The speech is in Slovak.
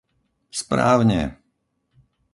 Správne!